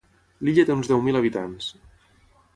L'illa té uns deu mil habitants.